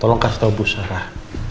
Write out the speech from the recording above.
tolong kasih tau ibu sarah